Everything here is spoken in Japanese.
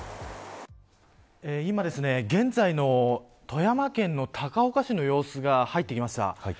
今、現在の富山県の高岡市の様子が入ってきました。